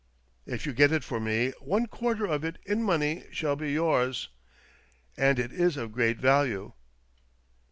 If you get it for me one quarter of it in money shall be yours ! And it is of a great value."